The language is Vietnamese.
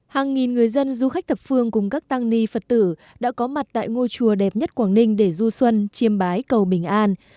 hàng nghìn người dân du khách thập phương cùng các tăng ni phật tử đã có mặt tại ngôi chùa đẹp nhất quảng ninh để du xuân chiêm bái cầu bình an